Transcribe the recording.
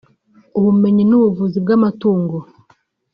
Ubumenyi n’Ubuvuzi bw’Amatungo